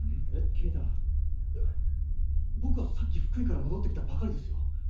いや僕はさっき福井から戻ってきたばかりですよ。